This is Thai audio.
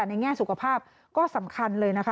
แง่สุขภาพก็สำคัญเลยนะคะ